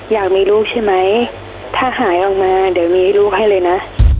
อยากมีลูกใช่ไหมถ้าหายออกมาเดี๋ยวมีลูกให้เลยนะ